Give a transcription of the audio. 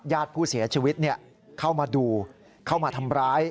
ญาติผู้เสียชีวิตเข้ามาดูเข้ามาทำร้าย